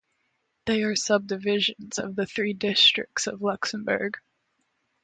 They are subdivisions of the three Districts of Luxembourg.